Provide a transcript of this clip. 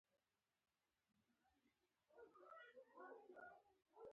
له دې ځایه تر راوتو وروسته به سیده ساقي خانې ته ولاړم.